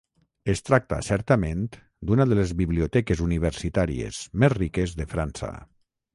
Es tracta, certament, d'una de les biblioteques universitàries més riques de França.